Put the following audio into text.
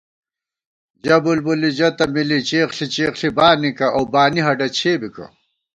ژہ بُلبُلی ژہ تہ مِلی چېخ ݪی چېخ ݪی بانِکہ اؤ بانی ہڈہ چھے بِکہ